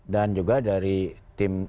dan juga dari tim